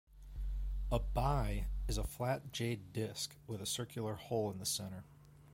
A "bi" is a flat jade disc with a circular hole in the centre.